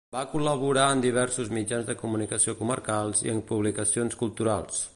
Va col·laborar en diversos mitjans de comunicació comarcals i en publicacions culturals.